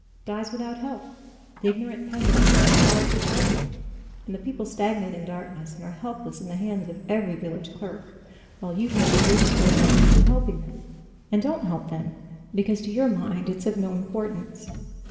"...dies without help? The ignorant peasant women starve the children, and the people stagnate in darkness, and are helpless in the hands of every village clerk, while you have at your disposal a means of helping them, and don't help them because to your mind it's of no importance."